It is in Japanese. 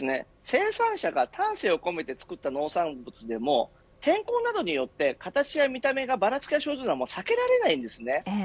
生産者が丹精を込めて作った農産物でも天候などによって形や見た目がばらつくというのは避けられません。